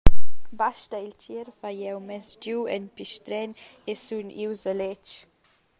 Basta, il tschierv hai jeu mess giu en pistregn e sun ius a letg.